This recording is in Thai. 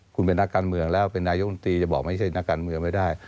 คุณเป็นนักการเมืองแล้วเป็นนายกรรมตรีจะบอกไม่ใช่นักการเมืองไม่ได้